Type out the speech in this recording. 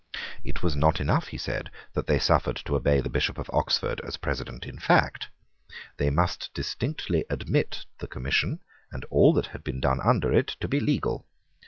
It was not enough, he said, that they offered to obey the Bishop of Oxford as President in fact. They must distinctly admit the Commission and all that had been done under it to be legal.